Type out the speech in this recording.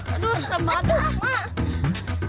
aduh serem banget tuh emak